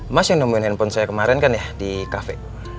mas yang nemuin handphone saya kemarin kan ya di kafe